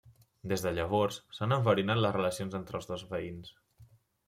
Des de llavors, s'han enverinat les relacions entre els dos veïns.